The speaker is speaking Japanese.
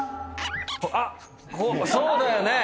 あっそうだよね。